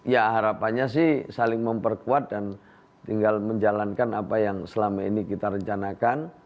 ya harapannya sih saling memperkuat dan tinggal menjalankan apa yang selama ini kita rencanakan